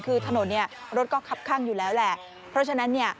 คือถนนเนี่ยรถก็คับข้างอยู่แล้วแหละเพราะฉะนั้นเนี่ย